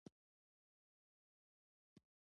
ازادي راډیو د تعلیم په اړه د شخړو راپورونه وړاندې کړي.